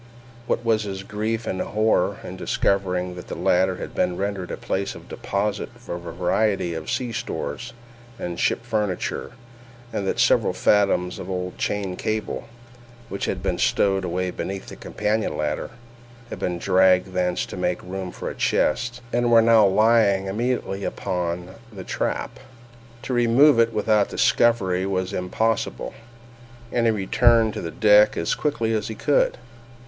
What was his grief and horror in discovering that the latter had been rendered a place of deposit for a variety of sea stores and ship furniture, and that several fathoms of old chain cable, which had been stowed away beneath the companion ladder, had been dragged thence to make room for a chest, and were now lying immediately upon the trap! To remove it without discovery was impossible, and he returned on deck as quickly as he could.